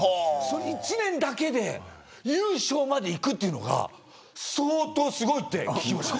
１年だけで優勝までいくっていうのが相当すごいって聞きました。